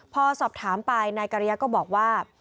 พอสอบถามไปนายกริยะก็บอกว่า